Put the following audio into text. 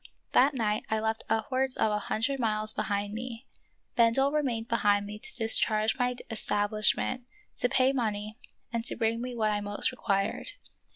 That night I left upwards of a hundred miles behind me. Bendel remained behind me to discharge my es tablishment, to pay money, and to bring me what I most required.